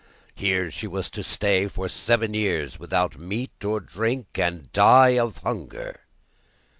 Here she was to stay for seven years without meat or drink, and die of hunger.